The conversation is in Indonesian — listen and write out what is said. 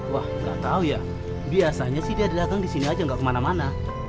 wah gak tau ya biasanya sih dia dagang disini aja gak kemana mana